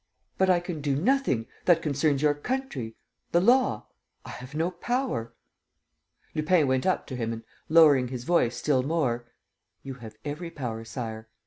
. But I can do nothing. ... That concerns your country ... the law. ... I have no power." Lupin went up to him and, lowering his voice still more: "You have every power, Sire.